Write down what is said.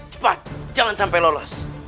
cepat jangan sampai lolos